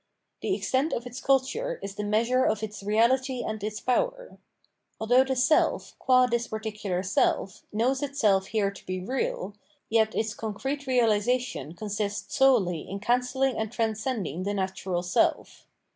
The extent* of its culture is the measure of its reahty and its power. Although the self, qua this particular self, knows itself here to be real, yet its concrete reahsation consists solely in cancelling and transcending the natural self.